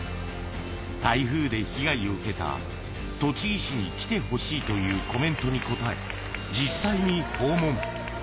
台風で被害を受けた栃木市に来てほしいというコメントにこたえ実際に訪問。